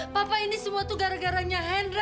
papa ini semua tuh gara garanya hendra